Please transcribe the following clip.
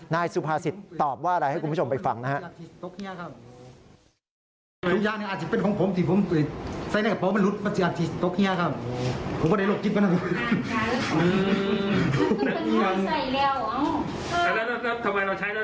นายสุภาษิตตอบว่าอะไรให้คุณผู้ชมไปฟังนะครับ